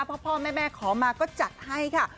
พ่อแม่ขอมาก็จัดให้ค่ะ